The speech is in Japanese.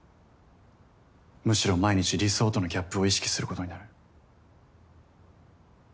むしろ毎日理想とのギャップを意識することになる。